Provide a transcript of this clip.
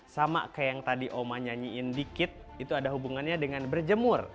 sama kayak yang tadi oma nyanyiin dikit itu ada hubungannya dengan berjemur